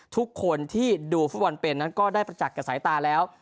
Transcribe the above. ทุกคนที่ดูฟุตบอลเป็นนั้นก็ได้ประจักษ์กับสายตาแล้ว